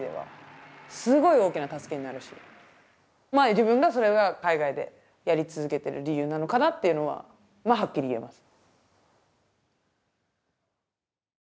自分がそれが海外でやり続けている理由なのかなっていうのははっきり言えます。